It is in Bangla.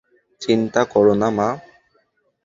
চিন্তা করো না, মা।